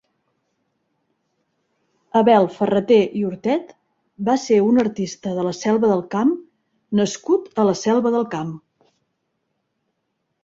Abel Ferrater i Hortet va ser un artista de la Selva del Camp nascut a la Selva del Camp.